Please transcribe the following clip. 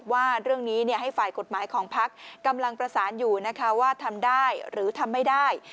ว่าเรื่องนี้ให้ฝ่ายกฎหมายของพักกำลังประสานอยู่นะคะว่าทำได้หรือทำไม่ได้